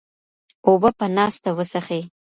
اوبه په ناسته وڅښئ.